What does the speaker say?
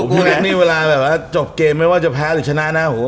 พี่แม็กซ์นี่เวลาจบเกมไม่ว่าจะแพ้หรือชนะนะ